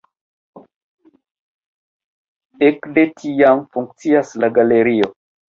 Ekde tiam funkcias la galerio.